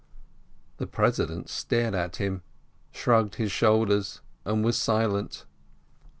The president stared at him, shrugged his shoulders, and was silent.